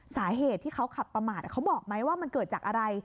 สาเหตุที่เขาขับประมาทเขาบอกไหมว่ามันเกิดจากอะไร